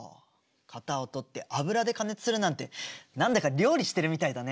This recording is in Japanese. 型を取って油で加熱するなんて何だか料理してるみたいだね。